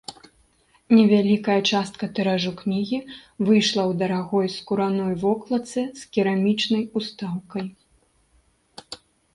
Невялікая частка тыражу кнігі выйшла ў дарагой скураной вокладцы з керамічнай устаўкай.